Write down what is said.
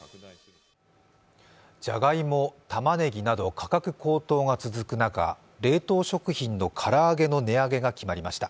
じゃがいも、たまねぎなど価格高騰が続く中冷凍食品の唐揚げの値上げが決まりました。